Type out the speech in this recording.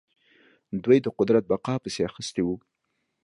دوی د قدرت بقا پسې اخیستي وو.